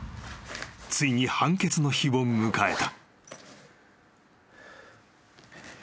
ついに判決の日を迎えた］